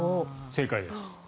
正解です。